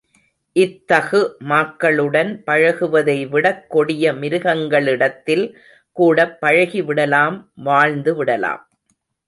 இத்தகு மாக்களுடன் பழகுவதை விடக் கொடிய மிருகங்களிடத்தில் கூடப் பழகி விடலாம் வாழ்ந்து விடலாம்.